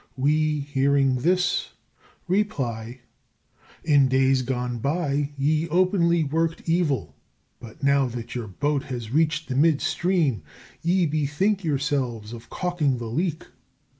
We, hearing this, reply, In days gone by ye openly worked evil, but now that your boat has reached the midstream, ye bethink yourselves of caulking the leak.